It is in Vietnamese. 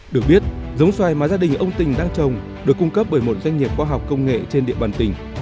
được biết giống xoài mà gia đình ông tình đang trồng được cung cấp bởi một doanh nghiệp khoa học công nghệ trên địa bàn tỉnh